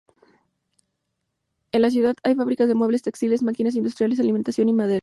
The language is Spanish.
En la ciudad hay fabricas de muebles, textiles, maquinas industriales, alimentación y madera.